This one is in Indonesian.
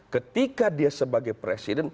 ketika dia sebagai presiden